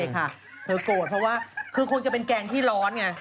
เธอโกรธเพราะว่าคือคงจะเป็นแกงที่ร้อนไง